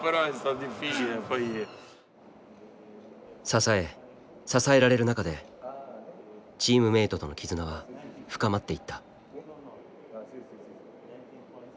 支え支えられる中でチームメイトとの絆は深まっていった。